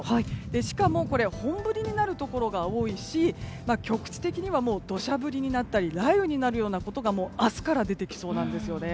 しかも本降りになるところが多いし局地的には土砂降りになったり雷雨になるようなところが明日から出てきそうなんです。